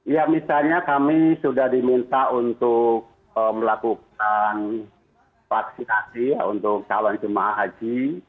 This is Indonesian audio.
ya misalnya kami sudah diminta untuk melakukan vaksinasi untuk calon jemaah haji